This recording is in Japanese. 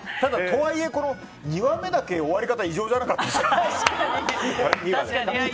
とはいえ、２話目だけ終わり方異常じゃなかったですか。